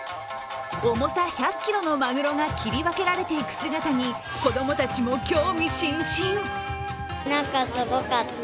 重さ１００ｋｇのまぐろが切り分けられていく姿に子供たちも興味津々。